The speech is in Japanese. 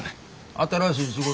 新しい仕事やろ